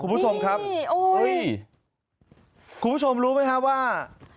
คุณผู้ชมครับคุณผู้ชมรู้ไหมฮะว่า